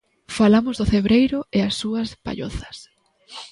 Falamos do Cebreiro e as súas pallozas.